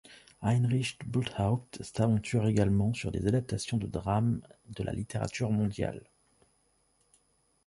Heinrich Bulthaupt s'aventure également sur des adaptations de drames de la littérature mondiale.